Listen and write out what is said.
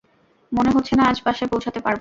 মনে হচ্ছে না আজ বাসায় পৌঁছাতে পারবো!